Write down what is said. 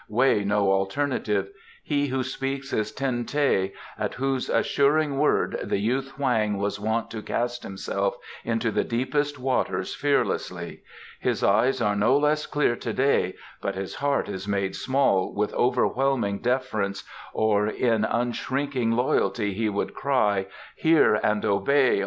Weigh no alternative. He who speaks is Ten teh, at whose assuring word the youth Hoang was wont to cast himself into the deepest waters fearlessly. His eyes are no less clear to day, but his heart is made small with overwhelming deference or in unshrinking loyalty he would cry: 'Hear and obey!